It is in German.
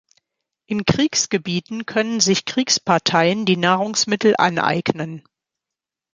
In Kriegsgebieten können sich Kriegsparteien die Nahrungsmittel aneignen.